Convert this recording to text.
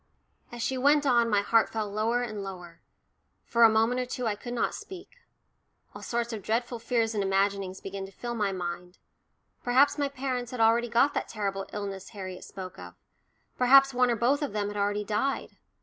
As she went on, my heart fell lower and lower for a moment or two I could not speak. All sorts of dreadful fears and imaginings began to fill my mind; perhaps my parents had already got that terrible illness Harriet spoke of, perhaps one or both of them had already died.